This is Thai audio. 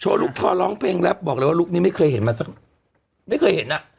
ลูกทอร้องเพลงแรปบอกเลยว่าลุคนี้ไม่เคยเห็นมาสักไม่เคยเห็นอ่ะ